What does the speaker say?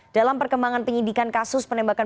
dalam perkembangan penyidikan kasus penembakan